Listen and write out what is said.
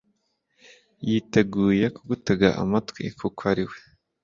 yiteguye kugutega amatwi kuko ari we